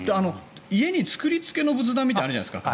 家に作りつけの仏壇があるじゃないですか。